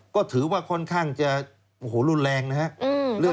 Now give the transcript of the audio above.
ก็ถือว่าค่อนข้างจะรุนแรงนะครับ